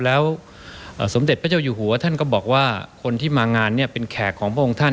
แล้วสมเด็จพระเจ้าอยู่หัวท่านก็บอกว่าคนที่มางานเนี่ยเป็นแขกของพระองค์ท่าน